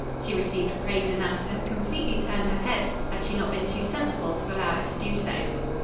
She received praise enough to have completely turned her head had she not been too sensible to allow it to do so.